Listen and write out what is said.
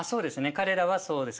彼らはそうです。